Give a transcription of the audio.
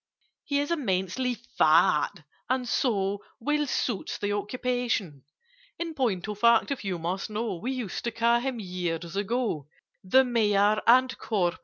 "He is immensely fat, and so Well suits the occupation: In point of fact, if you must know, We used to call him years ago, The Mayor and Corporation!